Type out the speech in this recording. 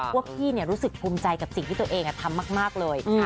ว่าพี่รู้สึกภูมิใจกับสิ่งที่ตัวเองทำมากเลย